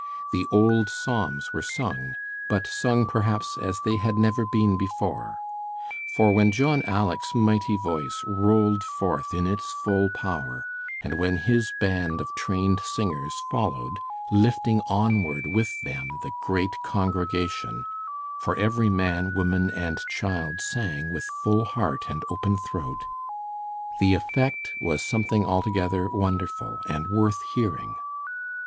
The old psalms were sung, but sung perhaps as they had never been before. For when John "Aleck's" mighty voice rolled forth in its full power, and when his band of trained singers followed, lifting onward with them the great congregation for every man, woman, and child sang with full heart and open throat the effect was something altogether wonderful and worth hearing.